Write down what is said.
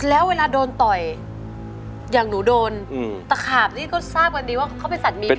แล้วเวลาโดนต่อยอย่างหนูโดนตะขาบนี่ก็ทราบกันดีว่าเขาเป็นสัตว์มีพิ